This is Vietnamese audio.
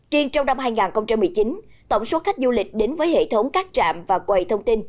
riêng trong năm hai nghìn một mươi chín tổng số khách du lịch đến với hệ thống các trạm và quầy thông tin